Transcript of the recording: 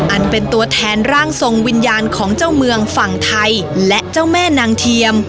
อันเป็นตัวแทนร่างทรงวิญญาณของเจ้าเมืองฝั่งไทยและเจ้าแม่นางเทียม